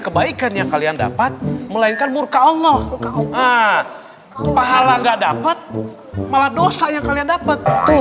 kebaikan yang kalian dapat melainkan murka allah pahala nggak dapet malah dosa yang kalian dapet